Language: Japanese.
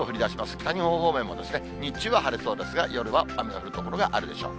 北日本方面もですね、日中は晴れそうですが、夜は雨の降る所があるでしょう。